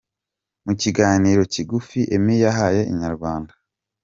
Mu kiganiro kigufi Emmy yahaye Inyarwanda.